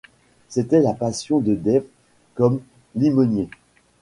C’était la passion de Dave comme limonier.